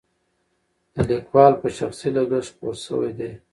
د لیکوال په شخصي لګښت خپور شوی دی.